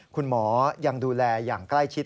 คุณหมอยังดูแลอย่างใกล้ชิด